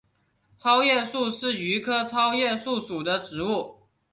糙叶树是榆科糙叶树属的植物。